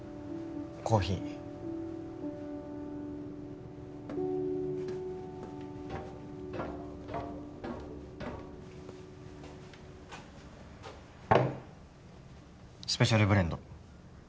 コーヒースペシャルブレンド